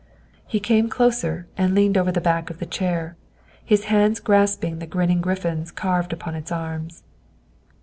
He came closer and leaned over the back of the chair, his hand grasping the grinning griffins carved upon its arms.